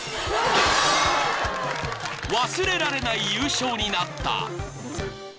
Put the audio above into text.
［忘れられない優勝になった］